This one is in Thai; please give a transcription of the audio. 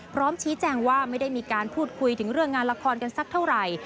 พร้อมชี้แจงว่าไม่ได้มีการพูดคุยถึงเรื่องงานละครกันสักเท่าไหร่